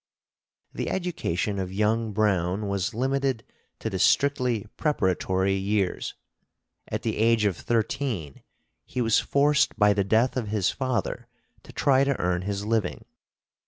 The education of young Browne was limited to the strictly preparatory years. At the age of thirteen he was forced by the death of his father to try to earn his living.